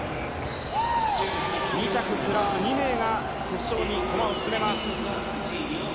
２着プラス２名が決勝に駒を進めます。